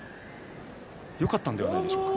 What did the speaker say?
よかったのではないですか。